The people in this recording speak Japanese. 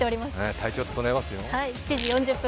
体調整えますよ。